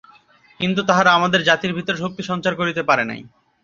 কিন্তু তাহারা আমাদের জাতির ভিতর শক্তিসঞ্চার করিতে পারে নাই।